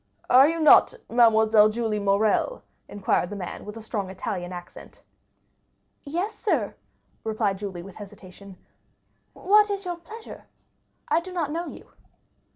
"Are you not Mademoiselle Julie Morrel?" inquired the man, with a strong Italian accent. "Yes, sir," replied Julie with hesitation; "what is your pleasure? I do not know you."